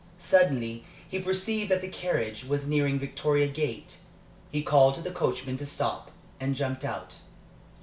Suddenly he perceived that the carriage was nearing Victoria Gate. He called to the coachman to stop, and jumped out.